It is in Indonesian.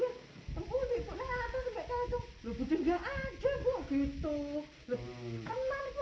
tempun di atas enggak ada